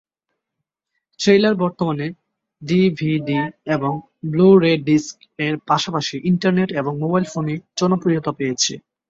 Trailer বর্তমানে DVD এবং Blu-ray disc এর পাশাপাশি ইন্টারনেট এবং মোবাইল ফোনে জনপ্রিয়তা পেয়েছে।